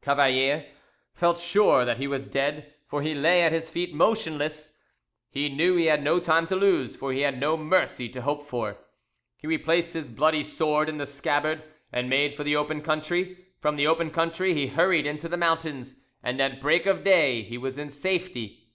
Cavalier felt sure that he was dead, for he lay at his feet motionless. He knew he had no time to lose, for he had no mercy to hope for. He replaced his bloody sword in the scabbard, and made for the open country; from the open country he hurried into the mountains, and at break of day he was in safety.